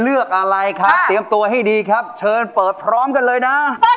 เอาละจับไว้กินนะ